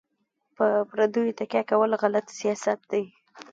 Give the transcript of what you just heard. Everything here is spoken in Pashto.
په پردیو تکیه کول غلط سیاست دی.